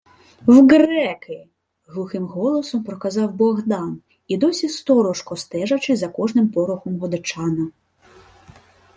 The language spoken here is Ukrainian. — В греки, — глухим голосом проказав Богдан, і досі сторожко стежачи за кожним порухом Годечана.